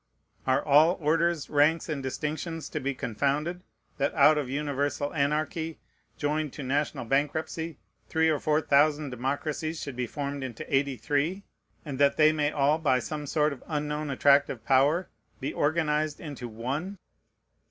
Are all orders, ranks, and distinctions to be confounded, that out of universal anarchy, joined to national bankruptcy, three or four thousand democracies should be formed into eighty three, and that they may all, by some sort of unknown attractive power, be organized into one?